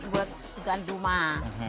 buat ikan jumah